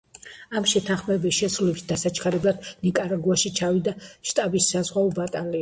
ამ შეთანხმებების შესრულების დასაჩქარებლად ნიკარაგუაში ჩავიდა შტატების საზღვაო ბატალიონი.